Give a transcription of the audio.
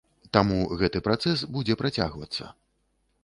Таму гэты працэс будзе працягвацца.